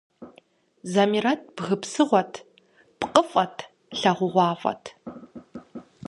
Замирэт бгы псыгъуэт, пкъыфӏэт, лагъугъуафӏэт.